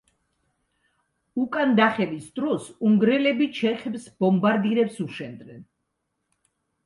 უკან დახევის დროს უნგრელები ჩეხებს ბომბარდირებს უშენდნენ.